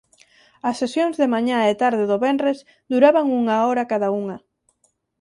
As sesións de mañá e tarde do venres duraban unha hora cada unha.